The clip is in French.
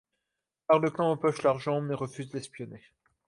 Arlequin empoche l’argent, mais refuse d’espionner.